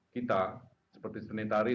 kita seperti seni tari